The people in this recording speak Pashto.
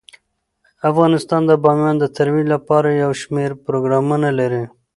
افغانستان د بامیان د ترویج لپاره یو شمیر پروګرامونه لري.